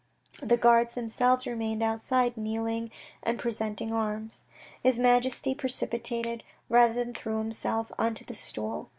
The guards themselves remained outside kneeling and presenting arms. His Majesty precipitated, rather than threw himself, on to the stool.